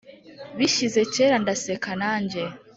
bishyize kera ndaseka nanjye